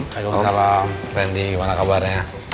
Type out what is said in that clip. waalaikumsalam randy gimana kabarnya